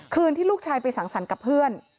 ที่ลูกชายไปสั่งสรรค์กับเพื่อน